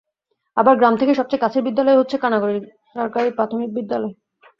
আবার গ্রাম থেকে সবচেয়ে কাছের বিদ্যালয় হচ্ছে কানাগাড়ি সরকারি প্রাথমিক বিদ্যালয়।